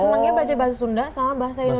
senangnya baca bahasa sunda sama bahasa indonesia